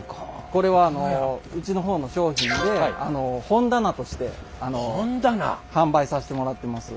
これはうちの方の商品で本棚として販売させてもらってます。